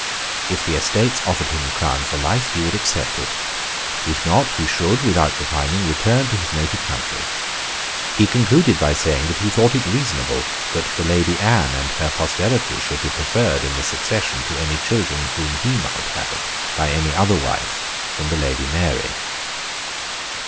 If the Estates offered him the crown for life, he would accept it. If not, he should, without repining, return to his native country. He concluded by saying that he thought it reasonable that the Lady Anne and her posterity should be preferred in the succession to any children whom he might have by any other wife than the Lady Mary.